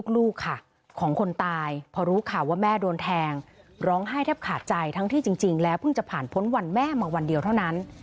ลูกค่ะของคนตายพอรู้ข่าวว่าแม่โดนแทงร้องไห้แทบขาดใจทั้งที่จริงแล้วเพิ่งจะผ่านพ้นวันแม่มาวันเดียวเท่านั้น